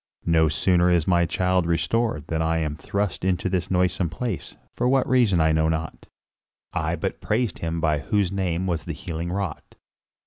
No sooner is my child restored than I am thrust into this noisome place; for what reason I know not, I but praised him by whose name was the healing wrought."